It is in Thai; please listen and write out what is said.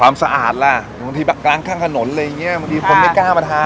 ความสะอาดล่ะบางทีกลางข้างถนนอะไรอย่างเงี้ยบางทีคนไม่กล้ามาทาน